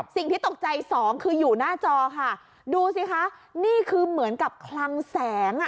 สิ่งที่ตกใจสองคืออยู่หน้าจอค่ะดูสิคะนี่คือเหมือนกับคลังแสงอ่ะ